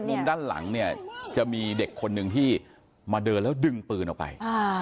มุมด้านหลังเนี่ยจะมีเด็กคนหนึ่งที่มาเดินแล้วดึงปืนออกไป